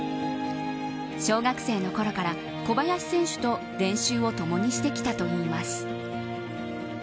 小学生のころから小林選手と練習を共にしてきたといいます。